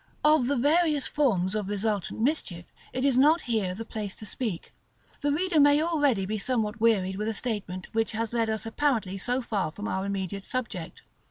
§ LXIII. Of the various forms of resultant mischief it is not here the place to speak: the reader may already be somewhat wearied with a statement which has led us apparently so far from our immediate subject.